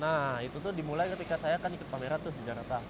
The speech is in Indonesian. nah itu dimulai ketika saya ikut pameran tuh sejarah